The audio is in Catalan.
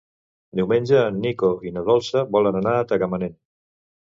Diumenge en Nico i na Dolça volen anar a Tagamanent.